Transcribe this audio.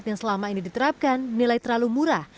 yang selama ini diterapkan dinilai terlalu murah